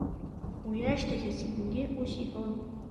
Уи ашьҭахь есқьынгьы ус иҳәон…